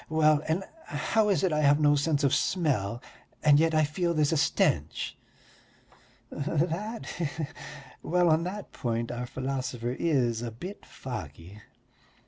Well, and how is it I have no sense of smell and yet I feel there's a stench?" "That ... he he.... Well, on that point our philosopher is a bit foggy.